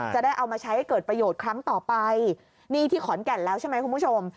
จะได้เอามาใช้ให้เกิดประโยชน์ครั้งต่อไปนี่ที่ขอนแก่นแล้วใช่ไหมคุณผู้ชม